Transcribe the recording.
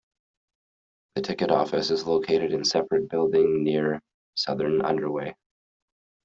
The ticket office is located in separate building near southern underway.